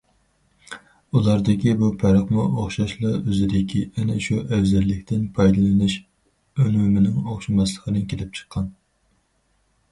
ئۇلاردىكى بۇ پەرقمۇ ئوخشاشلا ئۆزىدىكى ئەنە شۇ ئەۋزەللىكتىن پايدىلىنىش ئۈنۈمىنىڭ ئوخشىماسلىقىدىن كېلىپ چىققان.